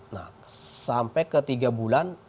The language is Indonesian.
nah sampai ketiga bulan